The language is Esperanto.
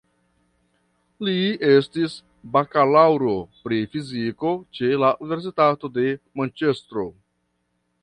Li estis bakalaŭro pri fiziko ĉe la Universitato de Manĉestro.